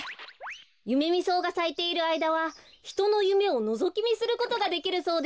ユメミソウがさいているあいだはひとのゆめをのぞきみすることができるそうですよ。